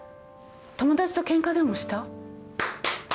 友達とケンカでもした？